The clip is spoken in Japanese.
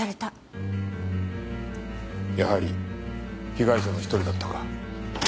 やはり被害者の一人だったか。